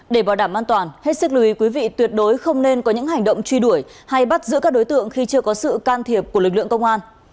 để bảo đảm an toàn hết sức lưu ý quý vị tuyệt đối không nên có những hành động truy đuổi hay bắt giữ các đối tượng khi chưa có sự can thiệp của lực lượng công an